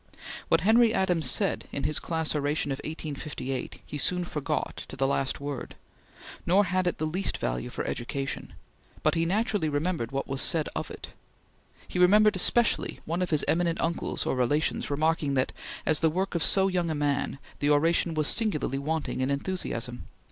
What Henry Adams said in his Class Oration of 1858 he soon forgot to the last word, nor had it the least value for education; but he naturally remembered what was said of it. He remembered especially one of his eminent uncles or relations remarking that, as the work of so young a man, the oration was singularly wanting in enthusiasm.